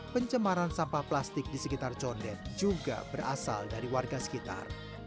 pencemaran sampah plastik di sekitar condet juga berasal dari warga sekitar